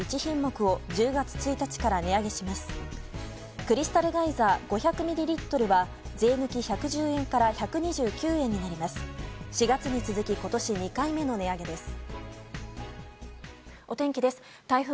クリスタルガイザー５００ミリリットルは税抜き１１０円から１２９円となります。